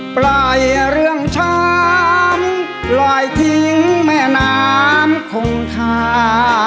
ปล่อยเรื่องช้ำปล่อยทิ้งแม่น้ำคงคา